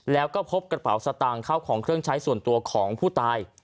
แล้วก็พบกระเป๋าสตางค์เข้าของเครื่องใช้ส่วนตัวของผู้ตาย